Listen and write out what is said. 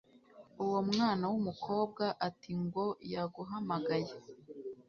Uwo mwanawumukobwa atingo yaguhamagaye